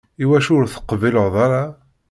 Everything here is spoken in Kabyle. Iwacu ur teqbileḍ ara?